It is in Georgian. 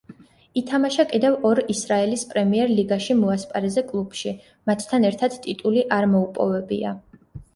ითამაშა კიდევ ორ ისრაელის პრემიერ ლიგაში მოასპარეზე კლუბში, მათთან ერთად ტიტული არ მოუპოვებია.